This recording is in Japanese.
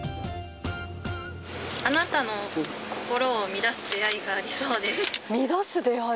あなたの心を乱す出会いがあ乱す出会い？